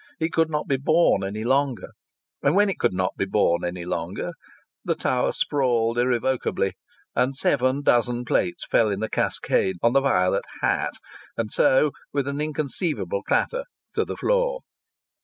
It could not be borne any longer, and when it could not be borne any longer the tower sprawled irrevocably and seven dozen plates fell in a cascade on the violet hat, and so with an inconceivable clatter to the floor.